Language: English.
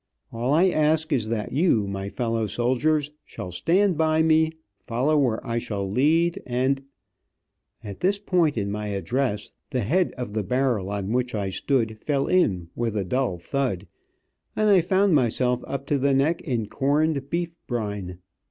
All I ask is that you, my fellow soldiers, shall stand by me, follow where I shall lead and " At this point in my address the head of the barrel on which I stood fell in with a dull thud, and I found myself up to the neck in corned beef brine.